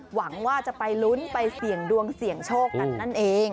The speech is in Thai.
หวังว่าจะไปลุ้นไปเสี่ยงดวงเสี่ยงโชคกันนั่นเอง